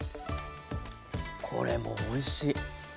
これもおいしい。